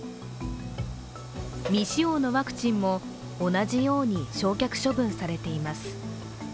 未使用のワクチンも同じように焼却処分されています。